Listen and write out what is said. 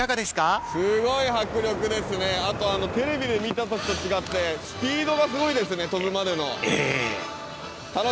すごい迫力ですね、テレビで見たときと違って、スピードがすごいですね、飛ぶまでの。